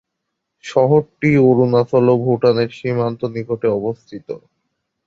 শহরটি অরুণাচল ও ভুটানের সীমান্ত নিকটে অবস্থিত।